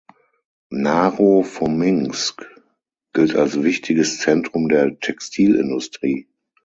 Naro-Fominsk gilt als wichtiges Zentrum der Textilindustrie.